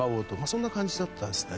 そんな感じだったんですね。